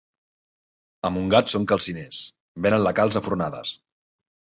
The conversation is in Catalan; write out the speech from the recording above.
A Montgat són calciners, venen la calç a fornades.